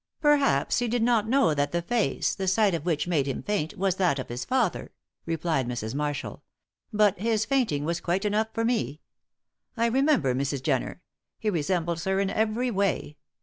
"Perhaps he did not knew that the face, the sight of which made him faint, was that of his father," replied Mrs. Marshall. "But his fainting was quite enough for me. I remember Mrs. Jenner; he resembles her in every way.